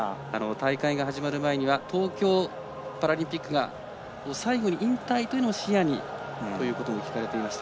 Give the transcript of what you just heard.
大会が始まる前には東京パラリンピックを最後に引退というのを視野にと聞かれていました。